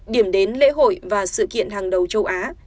điểm đến lễ hội và sự kiện hàng đầu châu á